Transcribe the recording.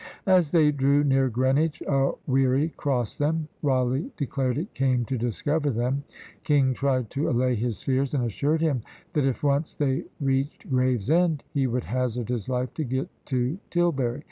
As they drew near Greenwich a wherry crossed them. Rawleigh declared it came to discover them. King tried to allay his fears, and assured him that if once they reached Gravesend, he would hazard his life to get to Tilbury.